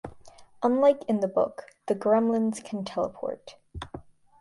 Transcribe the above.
Unlike in the book, the Gremlins can teleport.